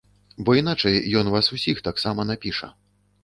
Бо іначай ён вас усіх таксама напіша.